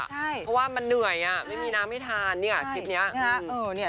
เพราะว่ามันเหนื่อยไม่มีน้ำให้ทานเนี่ยคลิปนี้